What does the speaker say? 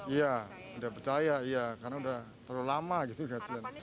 iya udah percaya karena udah terlalu lama gitu ya